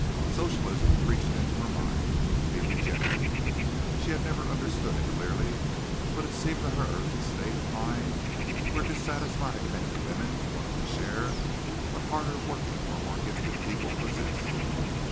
Socialism reached into her mind, to be rejected. She had never understood it clearly, but it seemed to her a state of mind where dissatisfied men and women wanted to share what harder working or more gifted people possessed.